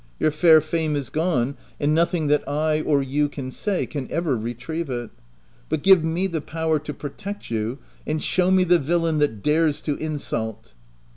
Your fair fame is gone ; and nothing that I or you can say can ever retrieve it. But give me the power to protect you, and show me the villain that dares to insult